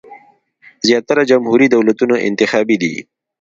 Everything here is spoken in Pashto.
زیاتره جمهوري دولتونه انتخابي دي.